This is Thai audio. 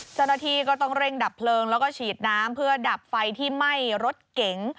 เจ้าหน้าที่ก็ต้องเร่งดับเพลิงแล้วก็ฉีดน้ำเพื่อดับไฟที่ไหม้รถเก๋ง